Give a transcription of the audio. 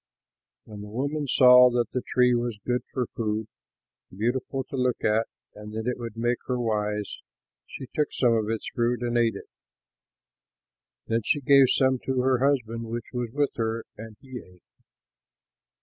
When the woman saw that the tree was good for food, beautiful to look at and that it would make her wise, she took some of its fruit and ate it. Then she gave some to her husband who was with her, and he ate.